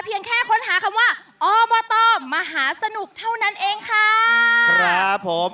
แค่ค้นหาคำว่าอบตมหาสนุกเท่านั้นเองค่ะครับผม